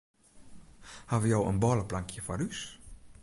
Hawwe jo in bôleplankje foar ús?